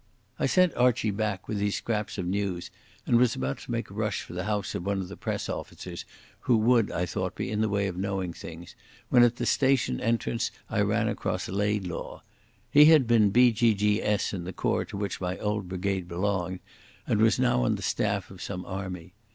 I sent Archie back with these scraps of news and was about to make a rush for the house of one of the Press officers, who would, I thought, be in the way of knowing things, when at the station entrance I ran across Laidlaw. He had been B.G.G.S. in the corps to which my old brigade belonged, and was now on the staff of some army.